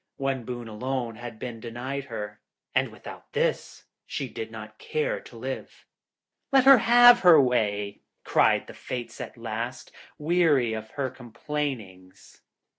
One boon alone had been denied her, and without this she did not care to live. 'Let her have her way!' cried the Fates at last, weary of her complainings.